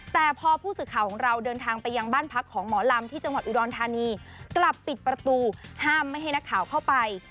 แต่พอผู้สื่อข่าวของเราเดินทางไปยังบ้านพักของหมอลำที่จังหวัดอุดรธานีกลับปิดประตูห้ามไม่ให้นักข่าวเข้าไป